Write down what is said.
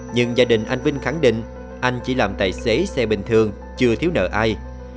nhưng gia đình anh vinh khẳng định anh chỉ làm tài xế xe bình thường chưa thiếu nợ ai